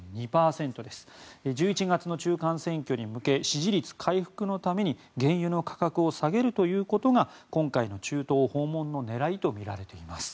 １１月の中間選挙に向けて支持率回復のために原油の価格を下げるということが今回の中東訪問の狙いとみられています。